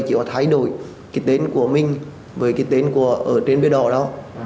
chỉ có thay đổi cái tên của mình với cái tên của ở trên bế đỏ đó